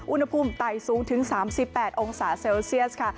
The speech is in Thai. อุณหภูมิไต่สูงถึง๓๘องศาเซลเซียสค่ะ